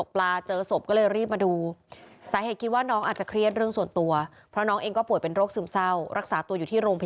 ป้ารู้จังเมื่อคืน